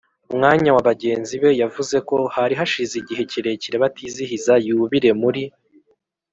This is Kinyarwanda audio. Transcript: mwanya wa bagenzi be. yavuze ko hari hashize igihe kirekire batizihiza yubile muri